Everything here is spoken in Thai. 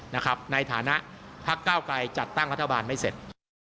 ในฐานะพักเก้าไกรจัดตั้งรัฐบาลไม่เสร็จ